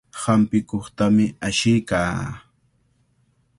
Hampikuqtami ashiykaa.